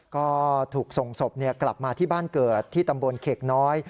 ก็ถูกส่งศพกลับมาที่บ้านเกิดที่ตำบลเขกน้อย